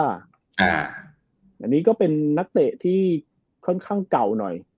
อันนี้ก็เป็นนักเตะที่ค่อนข้างเก่าหน่อย